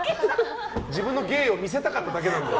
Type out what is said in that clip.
自分の芸を見せたかっただけなので。